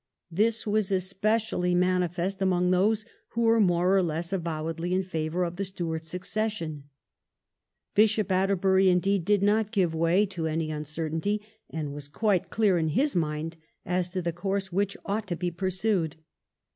This was especially manifest among those who were more or less avowedly in favour of the Stuart succession. Bishop Atterbury indeed did not give way to any uncertainty, and was quite clear in his mind as to the course which ought to be pursued.